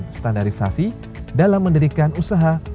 dan mereka juga mencari peluang untuk membuat perusahaan